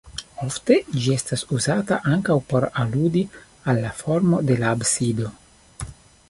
Ofte, ĝi estas uzata ankaŭ por aludi al la formo de la absido.